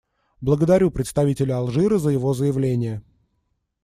Благодарю представителя Алжира за его заявление.